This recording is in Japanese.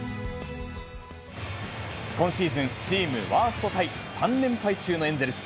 今シーズン、チームワーストタイ、３連敗中のエンゼルス。